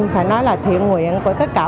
phải nói là thiện nguyện của tất cả